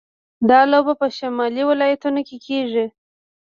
دا لوبه په شمالي ولایتونو کې کیږي.